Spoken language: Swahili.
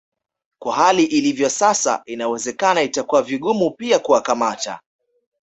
Kwa hali ilivyo sasa inawezekana itakuwa vigumu pia kuwakamata